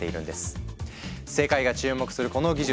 世界が注目するこの技術